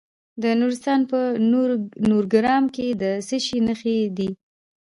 د نورستان په نورګرام کې د څه شي نښې دي؟